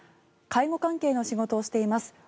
介護関係の仕事をしています。